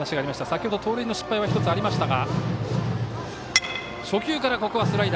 先ほど盗塁の失敗は１つありましたが。